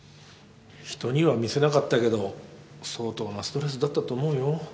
人には見せなかったけど相当なストレスだったと思うよ。